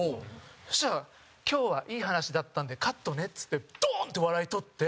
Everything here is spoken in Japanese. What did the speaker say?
そしたら「今日は、いい話だったんでカットね」っつってドーンって笑いとって。